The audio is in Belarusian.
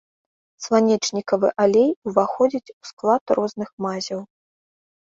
Сланечнікавы алей уваходзіць у склад розных мазяў.